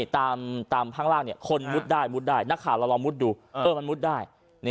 ตามทางล่างเนี่ยคนมุดได้มุดได้นักข่าวเราลองมุดดูเออมันมุดได้